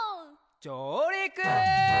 じょうりく！